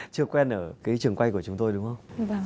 chưa quen ở cái trường quay của chúng tôi đúng không